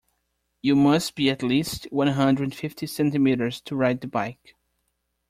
You must be at least one hundred and fifty centimeters to ride the bike.